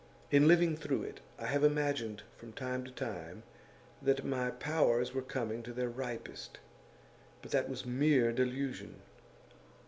In living through it, I have imagined from time to time that my powers were coming to their ripest; but that was mere delusion.